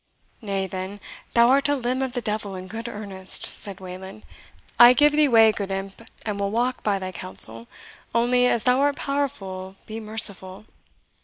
"Nay, then, thou art a limb of the devil in good earnest," said Wayland. "I give thee way, good imp, and will walk by thy counsel; only, as thou art powerful be merciful."